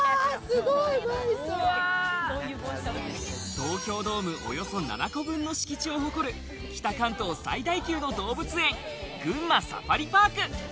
東京ドームおよそ７個分の敷地を誇る北関東最大級の動物園、群馬サファリパーク。